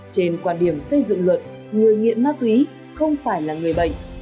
trên quan điểm xây dựng luật người nghiện ma túy không phải là người bệnh